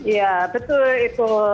ya betul itu